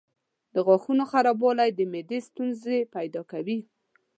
د غاښونو خرابوالی د معدې ستونزې پیدا کوي.